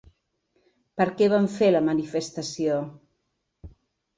Per què vam fer la manifestació?